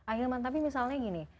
akhirnya tapi misalnya gini